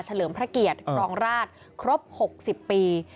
เลิมพระเกียรติครองราชครบ๖๐ปี